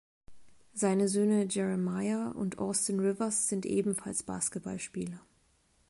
Seine Söhne Jeremiah und Austin Rivers sind ebenfalls Basketballspieler.